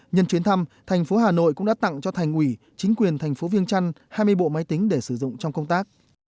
nhân chuyến thăm thành phố hà nội cũng đã tặng cho thành ủy chính quyền thành phố viêng trăn hai mươi bộ máy tính để sử dụng trong công tác